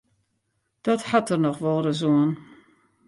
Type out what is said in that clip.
Dat hat der noch wolris oan.